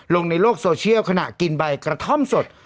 ลงในโลกโซเชียลขณะกินใบกระท่อมสด